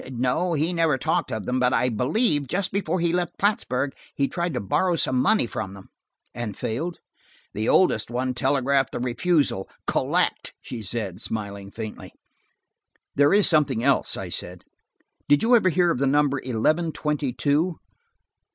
No, he never talked of them, but I believe, just before he left Plattsburg, he tried to borrow some money from them." "And failed?" "The oldest one telegraphed the refusal, collect," she said, smiling faintly. "There is something else," I said. "Did you ever hear of the number eleven twenty two?"